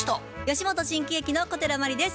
吉本新喜劇の小寺真理です。